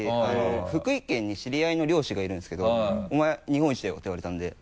福井県に知り合いの漁師がいるんですけど「お前日本一だよ」って言われたので。